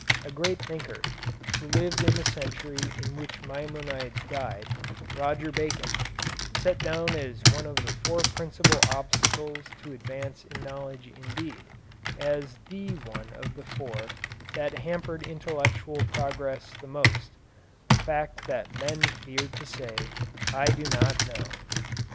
A great thinker, who lived in the century in which Maimonides died, Roger Bacon, set down as one of the four principal obstacles to advance in knowledge indeed, as the one of the four that hampered intellectual progress the most, the fact that men feared to say, "I do not know."